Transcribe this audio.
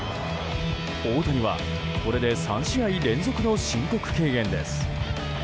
大谷は、これで３試合連続の申告敬遠です。